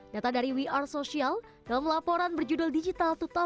data dari we are social dalam laporan berjudul digital dua ribu dua puluh